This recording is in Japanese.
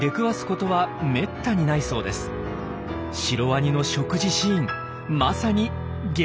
シロワニの食事シーンまさに激